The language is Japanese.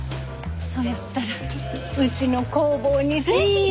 そやったらうちの工房にぜひ。